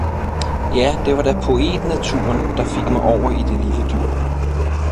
Ja det var da poetnaturen, der fik mig over i det lille dyr